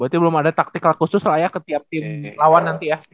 berarti belum ada taktikal khusus lah ya ke tiap tim lawan nanti ya